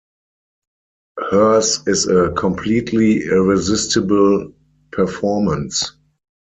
Hers is a completely irresistible performance.